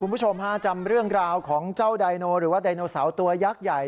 คุณผู้ชมฮะจำเรื่องราวของเจ้าไดโนหรือว่าไดโนเสาร์ตัวยักษ์ใหญ่